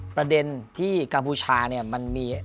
ประเด็นที่กัมพูชาเนี่ยมันมี